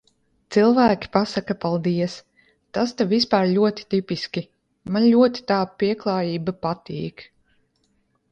Cilvēki pasaka paldies. Tas te vispār ļoti tipiski, man ļoti tā pieklājība patīk.